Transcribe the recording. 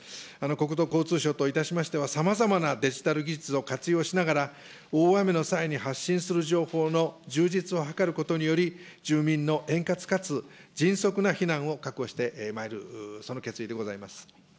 国土交通省といたしましては、さまざまなデジタル技術を活用しながら、大雨の際に発信する情報の充実を図ることにより、住民の円滑かつ迅速な避難を確保してまいる、その決意でございます。